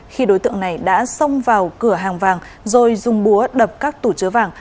khi đối tượng này đã xông vào cửa hàng vàng rồi dùng búa đập các tủ chứa vàng